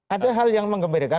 ada hal yang mengembirakan